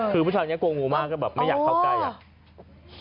คือผู้ชายคนนี้กลัวงูมากก็แบบไม่อยากเข้าใกล้อ่ะ